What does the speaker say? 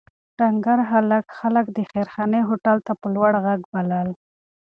ډنکر هلک خلک د خیرخانې هوټل ته په لوړ غږ بلل.